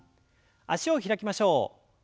脚を開きましょう。